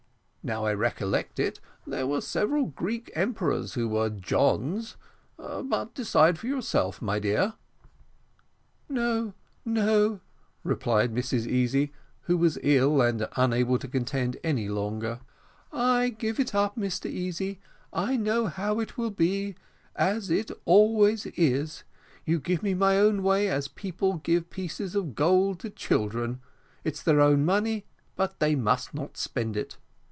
Now I recollect it, there were several Greek emperors who were Johns; but decide for yourself, my dear." "No, no," replied Mrs Easy, who was ill, and unable to contend any longer, "I give it up, Mr Easy. I know how it will be, as it always is: you give me my own way as people give pieces of gold to children, it's their own money, but they must not spend it.